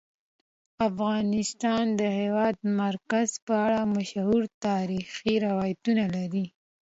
افغانستان د د هېواد مرکز په اړه مشهور تاریخی روایتونه لري.